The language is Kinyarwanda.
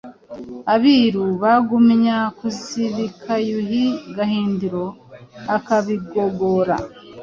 Abiru bagumya kuzibika Yuhi Gahindiro akabigogora